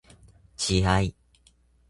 自愛